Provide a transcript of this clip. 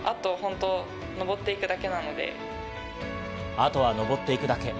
あとは上っていくだけ。